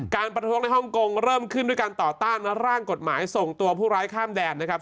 ประท้วงในฮ่องกงเริ่มขึ้นด้วยการต่อต้านและร่างกฎหมายส่งตัวผู้ร้ายข้ามแดนนะครับ